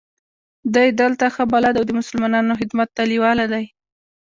دی دلته ښه بلد او د مسلمانانو خدمت ته لېواله دی.